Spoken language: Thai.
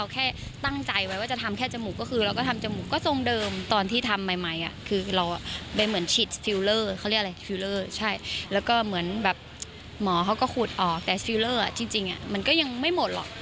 เขาก็ขูดออกแต่ฟิลเลอร์จริงมันก็ยังไม่หมดหรอก